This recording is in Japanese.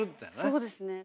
そうですね。